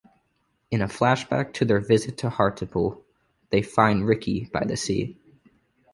In a flashback to their visit to Hartlepool, they find Ricky by the sea.